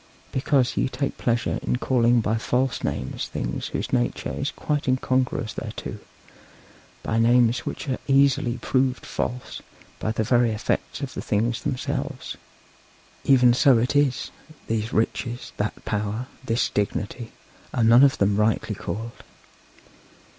Because ye take pleasure in calling by false names things whose nature is quite incongruous thereto by names which are easily proved false by the very effects of the things themselves; even so it is; these riches, that power, this dignity, are none of them rightly so called.